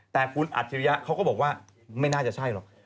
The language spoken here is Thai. แต่คุณอัจฉริยะเขาก็บอกว่าไม่น่าจะใช่หรอก